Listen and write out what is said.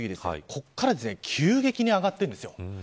ここから急激に上がっているんです。